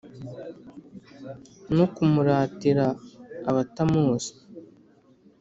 No kumuratira abatamuzi